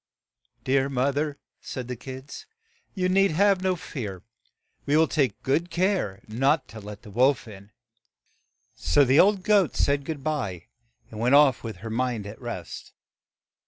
"Dear moth er," said the kids, "you need have no fear; we will take good care not to let the wolf in." So the old goat said good by, and went off with her mind at rest.